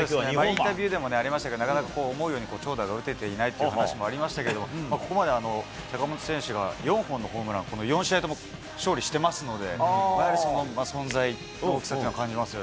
インタビューでもありましたけど、なかなか思うように長打が打てていないという話もありましたけど、ここまで坂本選手が４本のホームラン、この４試合とも、勝利してますので、やはりその存在の大きさっていうのは感じます